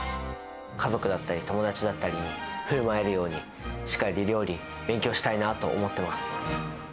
家族だったり友達だったりにふるまえるように、しっかり料理、勉強したいなと思ってます。